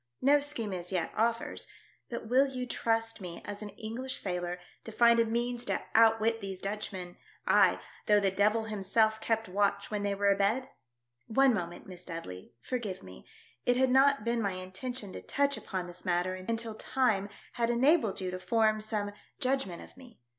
No scheme as yet offers, but will you trust me as an English sailor to find a means to outwit these Dutchmen, ay, though the Devil himself kept watch when they were abed? .. One moment, Miss Dudley — forgive me, it had not been my intention to touch upon this matter until time had enabled you to form some judgment of 1 66 THE DEATH SHIP. me.